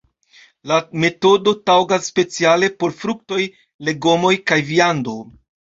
La metodo taŭgas speciale por fruktoj, legomoj kaj viando.